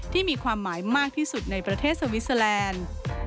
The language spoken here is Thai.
มีความหมายมากที่สุดในประเทศสวิสเตอร์แลนด์